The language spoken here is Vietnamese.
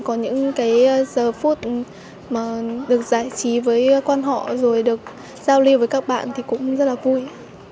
có những cái giờ phút mà được giải trí với quan họ rồi được giao lưu với các bạn thì cũng rất là vui